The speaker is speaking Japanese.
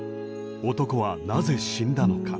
男はなぜ死んだのか。